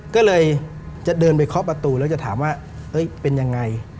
ก็เลยจะเดินไปเคาะประตูแล้วจะถามว่าเป็นยังไง